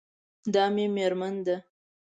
دا مې میرمن ده